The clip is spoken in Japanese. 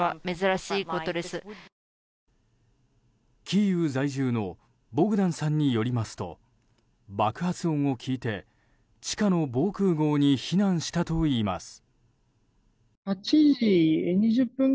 キーウ在住のボグダンさんによりますと爆発音を聞いて地下の防空壕に避難したといいます。